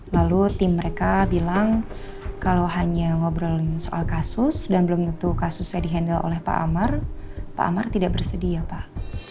lalu tim mereka bilang kalau hanya ngobrolin soal kasus dan belum tentu kasusnya di handle oleh pak amar pak amar tidak bersedia pak